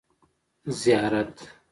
زيارت